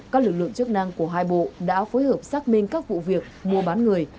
các lực lượng chức năng của hai bộ đã phối hợp xác minh các vụ việc mua bán người